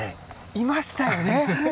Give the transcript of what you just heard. いましたよね？